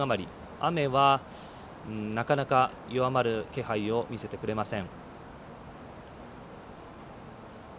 雨はなかなか弱まる気配を見せてくれません。